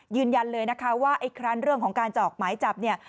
ยืนยันเลยนะคะว่าไอ้ครันเรื่องของการจะออกหมายจับเนี่ย